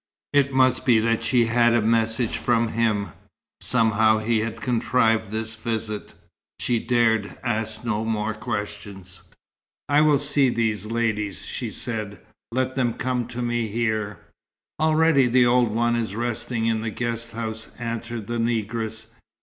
It must be that she had a message from him. Somehow he had contrived this visit. She dared ask no more questions. "I will see these ladies," she said. "Let them come to me here." "Already the old one is resting in the guest house," answered the negress.